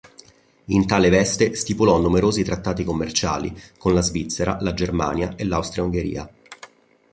In tale veste stipulò numerosi trattati commerciali con la Svizzera, la Germania e l'Austria-Ungheria.